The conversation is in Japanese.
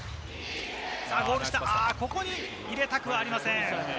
ゴール下ここに入れたくありません。